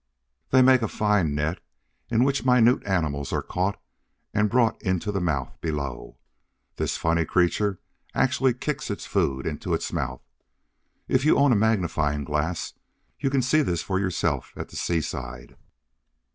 They make a fine net, in which minute animals are caught and brought into the mouth below. This funny creature actually kicks its food into its mouth! If you own a magnifying glass, you can see this for yourself at the seaside.